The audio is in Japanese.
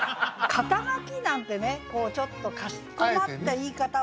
「肩書き」なんてねこうちょっとかしこまった言い方をね